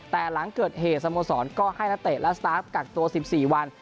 แต่หลังเกิดเหตุสโมสรก็ให้นักเตะและสตาร์ฟกักตัว๑๔วัน